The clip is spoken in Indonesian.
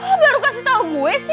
kalau baru kasih tau gue sih